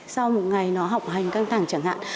sau một ngày nó học hành căng thẳng chẳng hạn